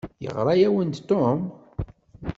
Yeɣra-awent-d Tom?